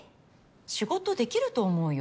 仕事できると思うよ。